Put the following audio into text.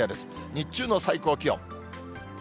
日中の最高気温。